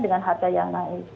dengan harga yang naik